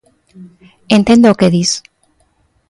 Entendo o que dis.